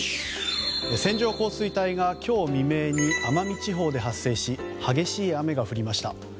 線状降水帯が今日未明に奄美地方で発生し激しい雨が降りました。